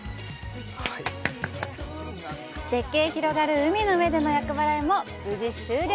絶景広がる海の上での厄払いも無事終了！